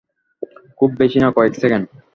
খুব বেশি না, কয়েক সেকেন্ড ।